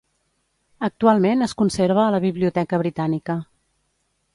Actualment es conserva a la Biblioteca britànica.